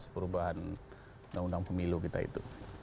perubahan undang undang pemilu kita itu